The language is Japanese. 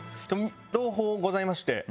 朗報ございまして。